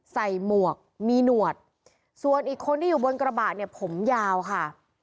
หมวกมีหนวดส่วนอีกคนที่อยู่บนกระบะเนี่ยผมยาวค่ะ